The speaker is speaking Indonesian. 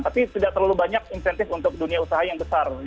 tapi tidak terlalu banyak insentif untuk dunia usaha yang besar